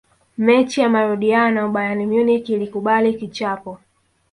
mechi ya marudiano bayern munich ilikubali kichapo